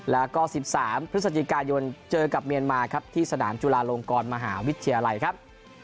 แล้วก็๑๓พฤศจิกายนเจอกับเมียนมาครับที่สนามจุฬาลงกรมหาวิทยาลัยครับ